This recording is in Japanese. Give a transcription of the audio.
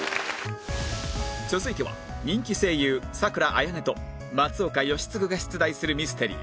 続いては人気声優佐倉綾音と松岡禎丞が出題するミステリー